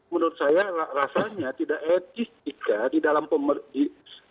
menurut saya rasanya tidak etis jika di dalam pemerintahan